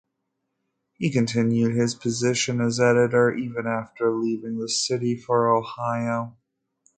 He continued his position as editor even after leaving the city for Ohio.